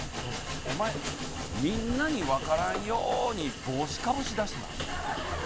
お前みんなに分からんように帽子かぶりだすな。